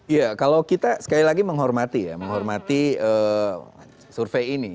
iya kalau kita sekali lagi menghormati ya menghormati survei ini